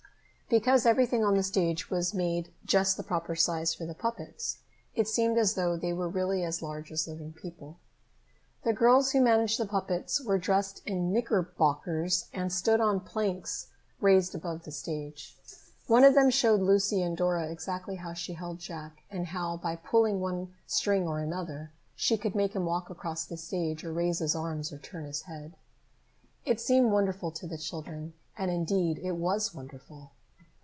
Because everything on the stage was made just the proper size for the puppets, it seemed as though they were really as large as living people. The girls who managed the puppets were dressed in knickerbockers and stood on planks raised above the stage. One of them showed Lucy and Dora exactly how she held Jack, and how by pulling one string or another, she could make him walk across the stage, or raise his arms, or turn his head. It seemed wonderful to the children, and, indeed, it was wonderful.